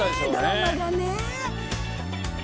ドラマがね。